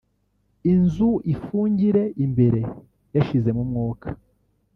inzu ifungire imbere yashizemo umwuka